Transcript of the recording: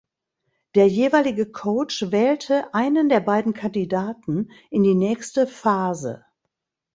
Der jeweilige Coach wählte einen der beiden Kandidaten in die nächste Phase.